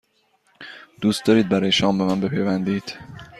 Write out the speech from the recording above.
دوست دارید برای شام به من بپیوندید؟